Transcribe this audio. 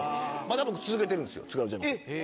まだ僕続けてるんですよ。